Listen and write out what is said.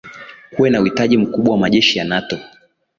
kuwe na uhitaji mkubwa wa majeshi ya nato